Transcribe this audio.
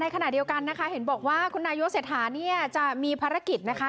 ขณะเดียวกันนะคะเห็นบอกว่าคุณนายกเศรษฐาเนี่ยจะมีภารกิจนะคะ